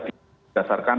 sudah di dasarkan